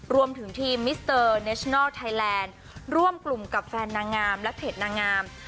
รวมถึงทีมมิสเตอร์เนชนัลไทยแลนด์ร่วมกลุ่มกับแฟนนางงามและเพจนางงาม